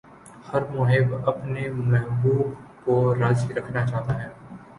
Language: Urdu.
ہر محب اپنے محبوب کو راضی رکھنا چاہتا ہے